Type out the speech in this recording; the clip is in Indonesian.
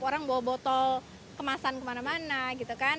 kalau kemasan kemana mana gitu kan